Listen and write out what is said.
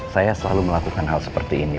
saya selalu melakukan hal seperti ini